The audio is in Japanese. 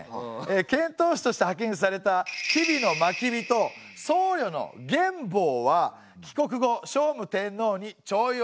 遣唐使として派遣された吉備真備と僧侶の玄は帰国後聖武天皇に重用されております。